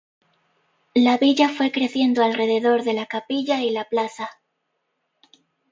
La villa fue creciendo alrededor de la capilla y la plaza.